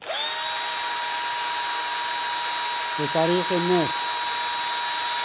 بطریق مثل